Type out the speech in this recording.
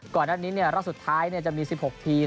ก่อนด้านนี้เนี่ยรอบสุดท้ายเนี่ยจะมี๑๖ทีม